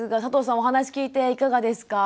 お話聞いていかがですか？